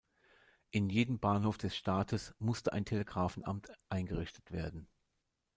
In jedem Bahnhof des Staates musste ein Telegrafenamt eingerichtet werden.